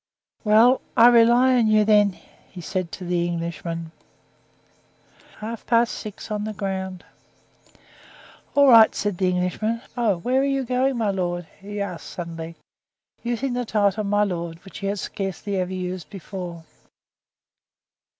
"Well, I rely on you, then," he said to the Englishman; "half past six on the ground." "All right," said the Englishman. "Oh, where are you going, my lord?" he asked suddenly, using the title "my lord," which he had scarcely ever used before.